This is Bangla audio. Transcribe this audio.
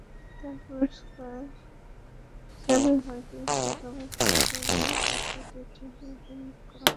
তার পুরস্কার হিসেবেই হয়তো, বিশ্বকাপের পরপরই তাঁকে টি-টোয়েন্টির অধিনায়ক করা হয়।